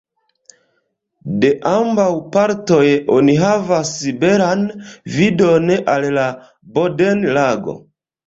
De ambaŭ partoj oni havas belan vidon al la Bodenlago.